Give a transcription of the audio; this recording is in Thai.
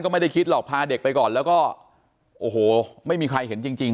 ไม่ได้คิดหรอกพาเด็กไปก่อนแล้วก็โอ้โหไม่มีใครเห็นจริง